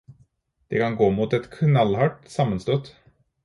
Det kan gå mot et knallhardt sammenstøt.